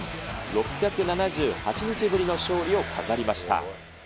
６７８日ぶりの勝利を飾りました。